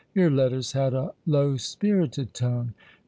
Your letters had a low spirited tone.